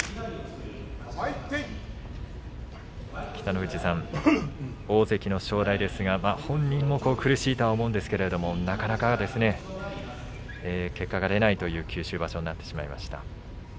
北の富士さん、大関の正代ですがまあ本人も苦しいとは思うんですけれどもなかなか結果が出ないという九州場所になってしまいました。